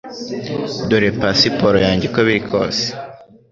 Dore pasiporo yanjye uko biri kose